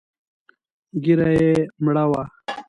ږيره يې مړه وه.